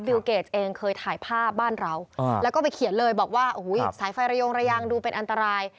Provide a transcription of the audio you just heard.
วิวเกจเองเคยถ่ายภาพบ้านเราแล้วก็ไปเขียนเลยบอกว่าโอ้โหสายไฟระยงระยางดูเป็นอันตราย